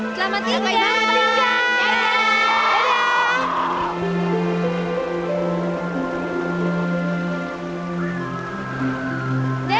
selamat tinggal raja